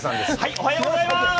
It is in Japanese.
おはようございます。